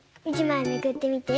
１まいめくってみて。